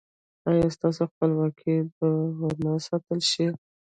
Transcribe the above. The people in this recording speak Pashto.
ایا ستاسو خپلواکي به و نه ساتل شي؟